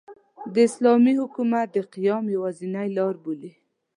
د اسلامي حکومت د قیام یوازینۍ لاربولي.